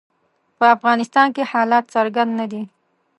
په افغانستان کې حالات څرګند نه دي.